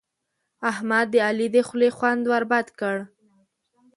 احمد د علي د خولې خوند ور بد کړ.